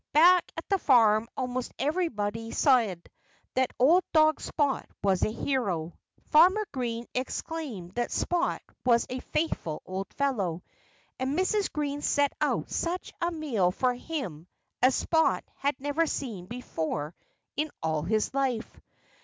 Back at the farm almost everybody said that old dog Spot was a hero. Farmer Green exclaimed that Spot was a faithful old fellow. And Mrs. Green set out such a meal for him as Spot had never seen before in all his life.